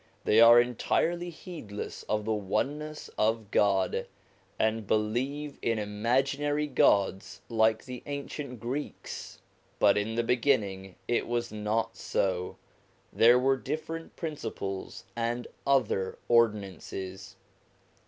They are entirely heedless of the Oneness of God, and believe in imaginary gods like the ancient Greeks. But in the beginning it was not so ; there were different principles and other ordinances.